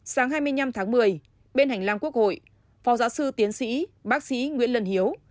sáng hai mươi năm tháng một mươi bên hành lang quốc hội phó giáo sư tiến sĩ bác sĩ nguyễn lân hiếu